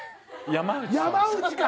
山内か！